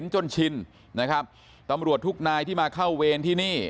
จนชินนะครับตำรวจทุกนายที่มาเข้าเวรที่นี่